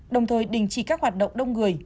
đồng thời đình chỉ các hoạt động đông người